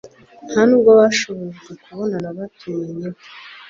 nta nubwo bashoboraga kubonana batumanyeho.